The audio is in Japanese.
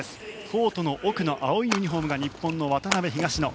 コートの奥の青いユニホームが日本の渡辺、東野。